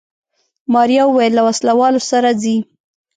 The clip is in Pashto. ماريا وويل له وسله والو سره ځي.